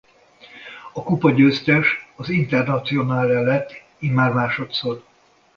A kupagyőztes az Internazionale lett immár másodszor.